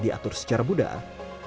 diatur secara mudah